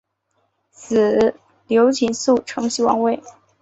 子刘景素承袭王位。